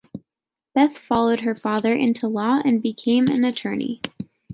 Beth followed her father into law and became an attorney.